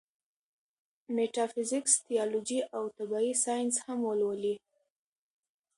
ميټافزکس ، تيالوجي او طبعي سائنس هم ولولي